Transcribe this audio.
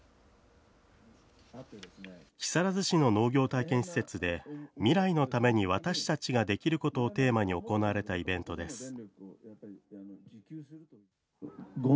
木更津市の農業体験施設で、未来のために私たちができることをテーマに行われたイベントです。